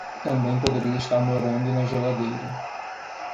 Também poderia estar morando na geladeira.